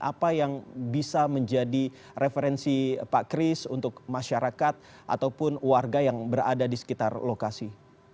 apa yang bisa menjadi referensi pak kris untuk masyarakat ataupun warga yang berada di sekitar lokasi